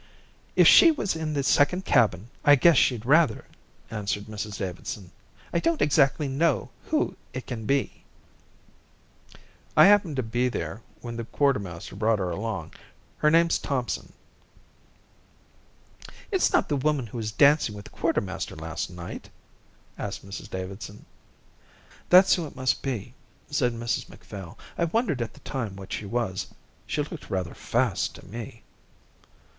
"If she was in the second cabin I guess she'd rather," answered Mrs Davidson. "I don't exactly know who it can be." "I happened to be there when the quartermaster brought her along. Her name's Thompson." "It's not the woman who was dancing with the quartermaster last night?" asked Mrs Davidson. "That's who it must be," said Mrs Macphail. "I wondered at the time what she was. She looked rather fast to me."